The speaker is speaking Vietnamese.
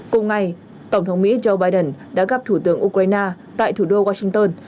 cùng ngày tổng thống mỹ joe biden đã gặp thủ tướng ukraine tại thủ đô washington